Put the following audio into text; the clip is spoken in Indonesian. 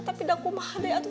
tapi sudah kumadil